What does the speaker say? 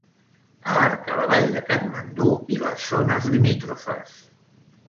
Abarca la vall de Kàtmandu i les zones limítrofes.